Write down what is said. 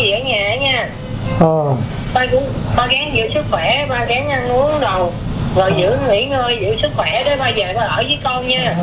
rồi giữ nghỉ ngơi giữ sức khỏe